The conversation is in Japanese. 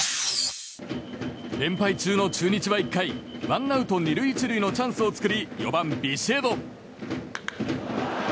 連敗中の中日は１回ワンアウト２塁１塁のチャンスを作り４番、ビシエド。